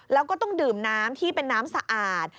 แล้วก็ต้องดื่มน้ำที่เป็นน้ำสะอาด